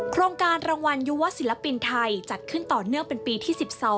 โครงการรางวัลยุวศิลปินไทยจัดขึ้นต่อเนื่องเป็นปีที่๑๒